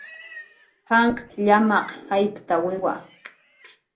Janq' llamaq jayptawiwa